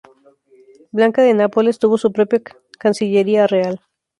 Blanca de Nápoles tuvo su propia Cancillería Real.